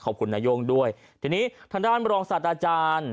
นาย่งด้วยทีนี้ทางด้านรองศาสตราจารย์